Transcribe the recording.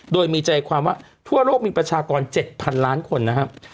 โดยมีใจความว่าทั่วโลกมีประชากร๗๐๐ล้านคนนะครับ